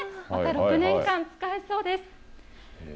また６年間使えそうです。